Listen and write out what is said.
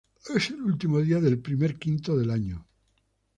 Es el último día del primer quinto del año.